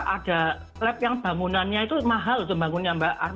ada lab yang bangunannya itu mahal untuk bangunnya mbak